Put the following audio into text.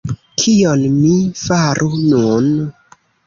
Kion mi faru nun?